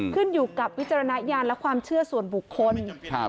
ขึ้นอยู่กับวิจารณญาณและความเชื่อส่วนบุคคล